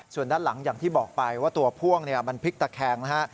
ส่วนด้านหลังอย่างที่บอกไปว่าตัวพ่วงมันพลิกตะแคงนะฮะ